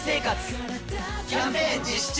キャンペーン実施中！